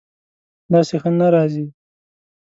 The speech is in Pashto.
داسې ښه نه راځي